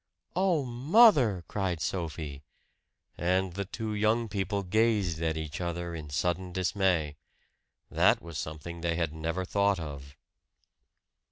"Oh, mother!" cried Sophie. And the two young people gazed at each other in sudden dismay. That was something they had never thought of.